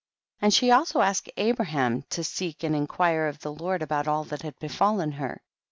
1 1 . And she also asked Abraham to seek and inquire of the Lord about all that had befallen her.